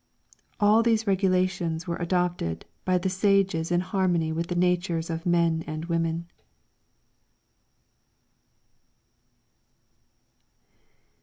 All these regulations were adopted by the Sages in harmony with the natures of men and women.'